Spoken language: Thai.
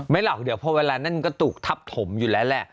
หรอกเดี๋ยวพอเวลานั่นก็ถูกทับถมอยู่แล้วแหละ